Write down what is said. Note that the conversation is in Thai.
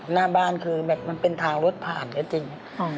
หน้าบ้านคือแบบมันเป็นทางรถผ่านก็จริง